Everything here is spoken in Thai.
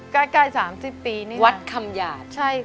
ใกล้๓๐ปีนี่วัดคำหยาด